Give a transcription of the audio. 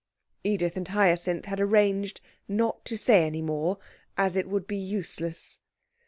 Edith and Hyacinth had arranged not to say any more, as it would be useless.